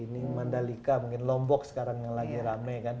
ini mandalika mungkin lombok sekarang yang lagi rame kan